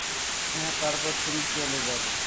হ্যাঁ, তারপর তুমি চলে যাবে।